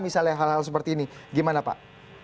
misalnya hal hal seperti ini gimana pak